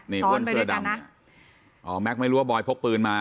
นี่เพื่อนเสื้อดำอ๋อแม็กซไม่รู้ว่าบอยพกปืนมา